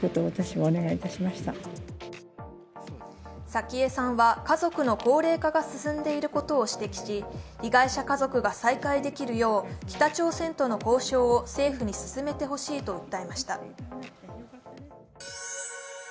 早紀江さんは家族の高齢化が進んでいることを指摘し被害者家族が再会できるよう北朝鮮との交渉を政府に進めてほしいと訴えました。